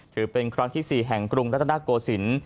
ถือเป็นครั้งที่๔แห่งกรุงรัฐนาโกศิลป์